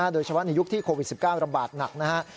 โดยเฉพาะในยุคที่โควิด๑๙ระบาดหนักนะครับ